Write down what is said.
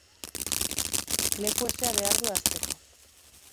Leku hezea behar du hazteko.